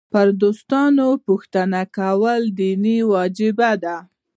پر دوستانو پوښتنه کول دیني وجیبه ده.